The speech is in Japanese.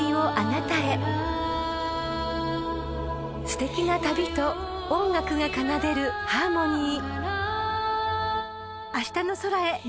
［すてきな旅と音楽が奏でるハーモニー］